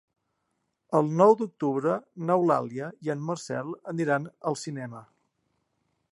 El nou d'octubre n'Eulàlia i en Marcel aniran al cinema.